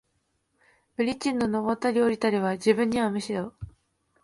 ブリッジの上ったり降りたりは、自分にはむしろ、